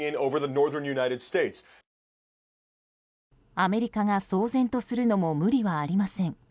アメリカが騒然とするのも無理はありません。